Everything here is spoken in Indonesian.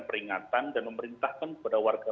peringatan dan memerintahkan kepada warga